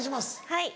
はい。